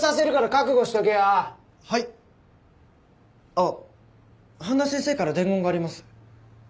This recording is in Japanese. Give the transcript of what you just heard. あっ半田先生から伝言があります。